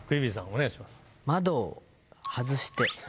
お願いします。